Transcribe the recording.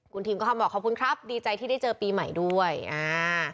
คุณทีมก็เข้ามาบอกขอบคุณครับดีใจที่ได้เจอปีใหม่ด้วยอ่า